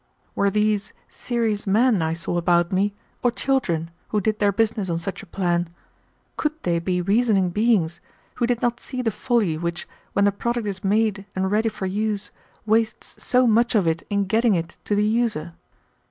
Were these serious men I saw about me, or children, who did their business on such a plan? Could they be reasoning beings, who did not see the folly which, when the product is made and ready for use, wastes so much of it in getting it to the user?